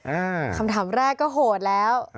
คำถามแรกก็โหดแล้ว